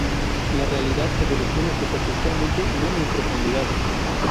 La realidad evoluciona superficialmente, no en profundidad.